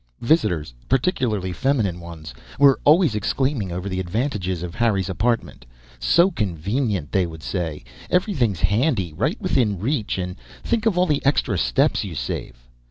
Visitors particularly feminine ones were always exclaiming over the advantages of Harry's apartment. "So convenient," they would say. "Everything handy, right within reach. And think of all the extra steps you save!"